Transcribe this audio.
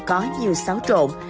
có nhiều xáo trộn